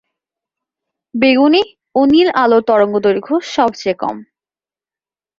বেগুনি ও নীল আলোর তরঙ্গদৈর্ঘ্য সবচেয়ে কম।